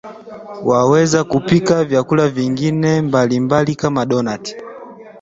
Waweza kupika vyakula vingine mbalimbali kama donati